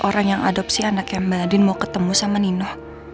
orang yang menghadap si anaknya mbak nadine mau ketemu sama nino